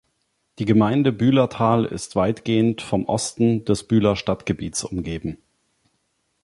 Die Gemeinde Bühlertal ist weitgehend vom Osten des Bühler Stadtgebiets umgeben.